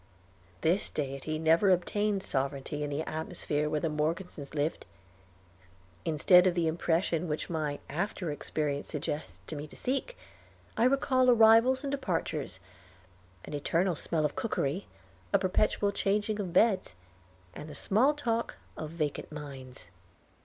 This Deity never obtained sovereignty in the atmosphere where the Morgesons lived. Instead of the impression which my after experience suggests to me to seek, I recall arrivals and departures, an eternal smell of cookery, a perpetual changing of beds, and the small talk of vacant minds.